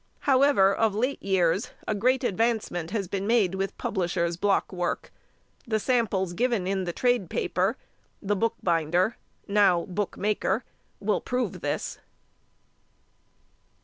However, of late years a great advancement has been made with publishers' block work; the samples given in the trade paper ("The Bookbinder" now "Bookmaker") will prove this.